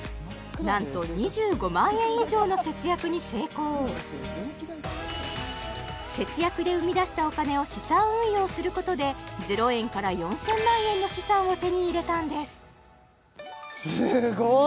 なんと２５万円以上の節約に成功節約で生み出したお金を資産運用することで０円から４０００万円の資産を手に入れたんですすごい！